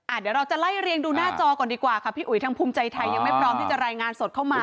เดี๋ยวเราจะไล่เรียงดูหน้าจอก่อนดีกว่าค่ะพี่อุ๋ยทางภูมิใจไทยยังไม่พร้อมที่จะรายงานสดเข้ามา